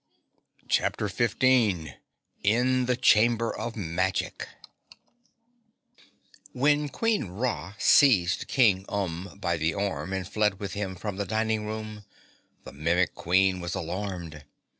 CHAPTER 15 In the Chamber of Magic When Queen Ra seized King Umb by the arm and fled with him from the dining room, the Mimic Queen was alarmed.